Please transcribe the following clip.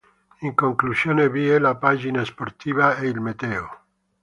In conclusione vi è la pagina sportiva e il meteo.